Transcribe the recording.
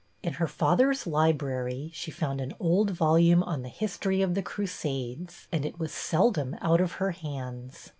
In her father's library she found an old volume on the " History of the Crusades," and it was seldom out of her hands.